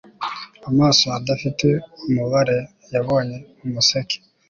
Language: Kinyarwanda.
Amaso adafite umubare yabonye umuseke